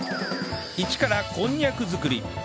イチからこんにゃく作り